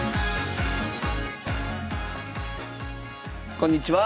こんにちは。